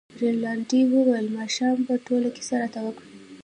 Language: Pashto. رینالډي وویل ماښام به ټوله کیسه راته وکړې.